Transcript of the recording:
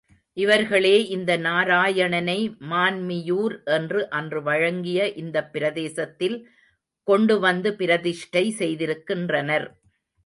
இவர்களே இந்த நாராயணனை மான்மியூர் என்று அன்று வழங்கிய இந்தப் பிரதேசத்தில் கொண்டு வந்து பிரதிஷ்டை செய்திருக்கின்றனர்.